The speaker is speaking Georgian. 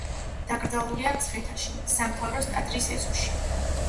დაკრძალულია მცხეთაში, სამთავროს ტაძრის ეზოში.